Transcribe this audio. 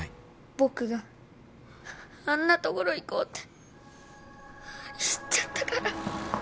僕があんな所行こうって言っちゃったから。